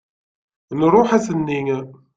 Nruḥ ass-nni.